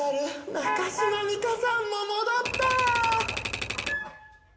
中島美嘉さんも戻った。